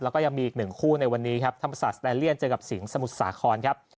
แล้วก็ยังมีอีกหนึ่งคู่ในวันนี้ครับธรรมศาสตร์เลียนเจอกับสิงหมุทรสาครครับ